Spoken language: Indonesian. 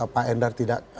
pak endar tidak punya kapal